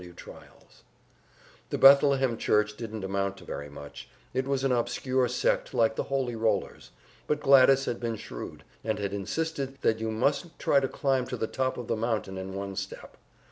W. trials. The Bethlehem Church didn't amount to very much, it was an obscure sect like the Holy Rollers; but Gladys had been shrewd, and had insisted that you mustn't try to climb to the top of the mountain in one step.